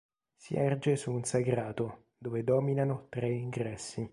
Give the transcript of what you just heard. Si erge su un sagrato, dove dominano tre ingressi.